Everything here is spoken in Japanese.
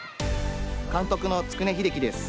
監督の築根英樹です。